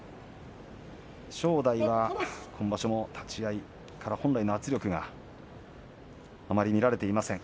正代は今場所も立ち合い本来の圧力があまり見られていません。